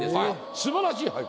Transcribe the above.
すばらしい俳句。